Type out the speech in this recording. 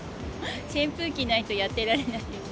扇風機ないとやってられないです。